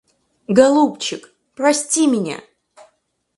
Голубчик, прости меня!